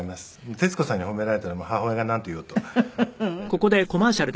徹子さんに褒められたら母親がなんと言おうと大丈夫です。